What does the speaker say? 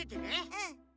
うん。